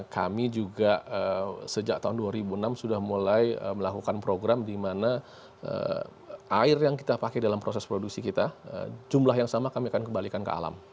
kami juga sejak tahun dua ribu enam sudah mulai melakukan program di mana air yang kita pakai dalam proses produksi kita jumlah yang sama kami akan kembalikan ke alam